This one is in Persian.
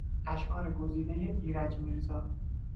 اشعار گزیدهی ایرج میرزا